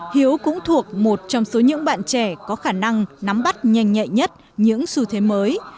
hiếu cũng thuộc một trong số những bạn trẻ có khả năng nắm bắt nhanh nhạy nhất những xu thế mới